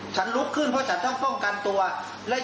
ลุกขึ้นเพราะฉันต้องป้องกันตัว